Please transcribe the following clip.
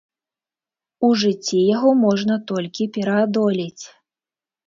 У жыцці яго можна толькі пераадолець.